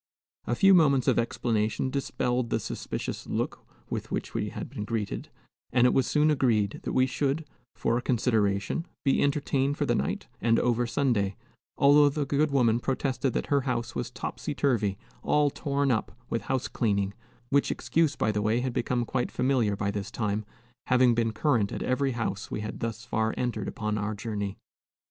A few moments of explanation dispelled the suspicious look with which we had been greeted, and it was soon agreed that we should, for a consideration, be entertained for the night and over Sunday; although the good woman protested that her house was "topsy turvy, all torn up" with house cleaning, which excuse, by the way, had become quite familiar by this time, having been current at every house we had thus far entered upon our journey.